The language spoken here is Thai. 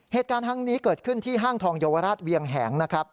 เหตุการณ์ทั้งนี้เกิดขึ้นที่ห้างทองเยาวราชเวียงแหงนะครับ